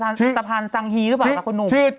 สะพานสังฮีหรือเปล่าล่ะคุณหนุ่ม